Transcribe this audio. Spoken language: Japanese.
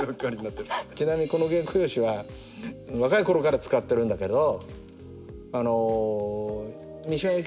ちなみにこの原稿用紙は若いころから使ってるんだけど。